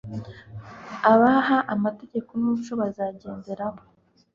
abaha amategeko n'umuco bazagenderaho